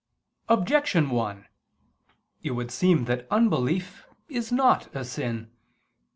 Objection 1: It would seem that unbelief is not a sin.